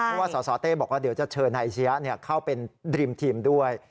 เพราะว่าสสเต้บอกว่าเดี๋ยวจะเชิญนายอาชียะเข้าเป็นดริมทีมด้วย